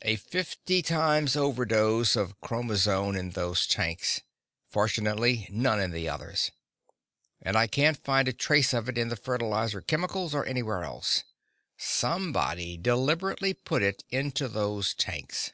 "A fifty times over dose of chromazone in those tanks fortunately none in the others. And I can't find a trace of it in the fertilizer chemicals or anywhere else. Somebody deliberately put it into those tanks."